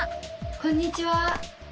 こんにちは。